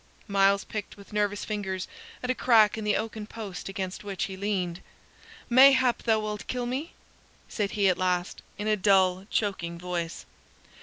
Myles picked with nervous fingers at a crack in the oaken post against which he leaned. "Mayhap thou wilt kill me," said he at last, in a dull, choking voice.